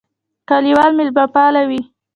کلیوال مېلمهپاله وي.